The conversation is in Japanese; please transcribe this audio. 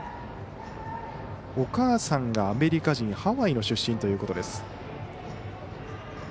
お母さんがアメリカ人ハワイの出身ということです。